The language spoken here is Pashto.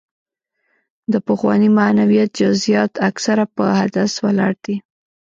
د پخواني معنویت جزیات اکثره په حدس ولاړ دي.